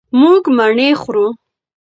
مونږ مڼې خورو.